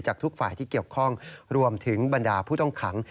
ทุกฝ่ายที่เกี่ยวข้องรวมถึงบรรดาผู้ต้องขัง